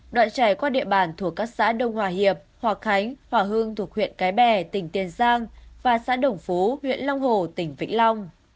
đoạn trải qua địa bàn thuộc các xã đông hòa hiệp hòa khánh hòa hương thuộc huyện cái bè tỉnh tiền giang và xã đồng phú huyện long hồ tỉnh vĩnh long